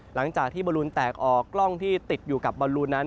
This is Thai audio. หลังจากที่บอลลูนแตกออกกล้องที่ติดอยู่กับบอลลูนนั้น